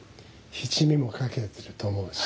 七味もかけてると思うし。